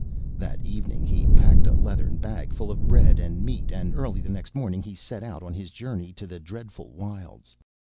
That evening he packed a leathern bag full of bread and meat, and early the next morning he set out on his journey to the dreadful wilds.